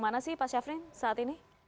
mana sih pak syafrin saat ini